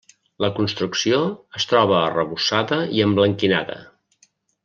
La construcció es troba arrebossada i emblanquinada.